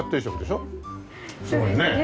そうですね。